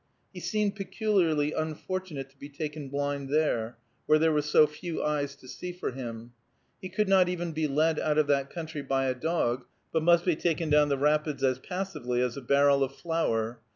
He seemed peculiarly unfortunate to be taken blind there, where there were so few eyes to see for him. He could not even be led out of that country by a dog, but must be taken down the rapids as passively as a barrel of flour.